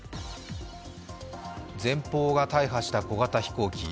前方が大破した小型飛行機。